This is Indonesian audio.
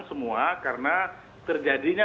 semua karena terjadinya